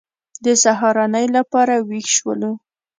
د سهارنۍ لپاره وېښ شولو.